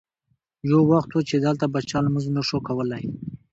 یو وخت و چې دلته به چا لمونځ نه شو کولی.